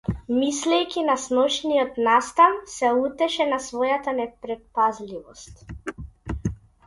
Мислејќи на сношниот настан, се лутеше на својата непретпазливост.